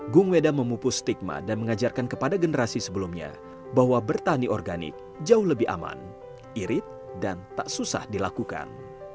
gung weda memupus stigma dan mengajarkan kepada generasi sebelumnya bahwa bertani organik jauh lebih aman irit dan tak susah dilakukan